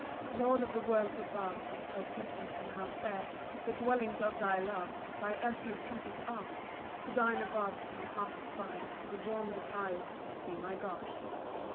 1 Lord of the worlds above, How pleasant and how fair The dwellings of thy love, Thy earthly temples are! To thine abode My heart aspires, With warm desires To see my God.